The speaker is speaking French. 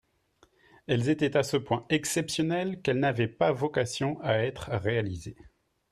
Elles étaient à ce point exceptionnelles qu’elles n’avaient pas vocation à être réalisées.